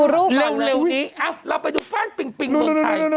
เร็วนี้เราไปดูฟ่านปิงปิงเมืองไทย